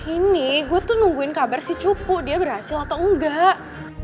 ini gue tuh nungguin kabar si cupu dia berhasil atau enggak